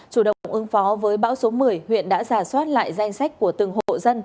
chủ động ứng phó với bão số một mươi huyện đã giả soát lại danh sách của từng hộ dân